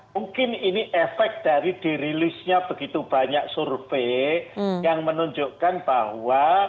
mungkin ini efek dari dirilisnya begitu banyak survei yang menunjukkan bahwa